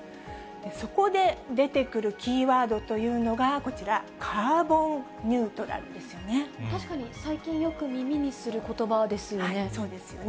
そこで出てくるキーワードというのが、こちら、カーボンニュート確かに、最近よく耳にするこそうですよね。